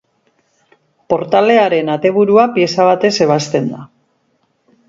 Portalearen ateburua pieza batez ebazten da.